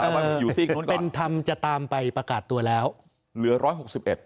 มันเป็นธรรมจะตามไปประกาศตัวแล้วเหลือร้อยหกสิบเอ็ด